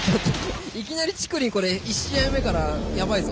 いきなりチクリンこれ１試合目からやばいぞ。